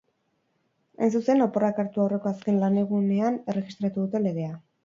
Hain zuzen, oporrak hartu aurreko azken lanegunean erregistratu dute legea.